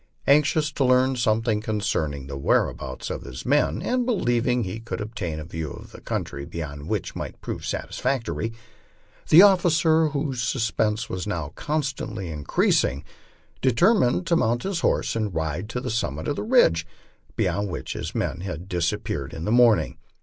Anxious to learn something concerning the whereabouts of his men, and believing he could obtain a view of the country beyond which might prove satisfactory, the officer, whose suspense Avas constantly increasing, determined to mount his horse and ride to the summit of the ridge beyond which his men had disap peared in the morning.